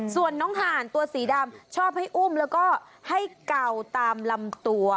ส่วนน้องห่านตัวสีดำชอบให้อุ้มแล้วก็ให้เก่าตามลำตัว